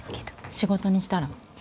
仕事にしたら？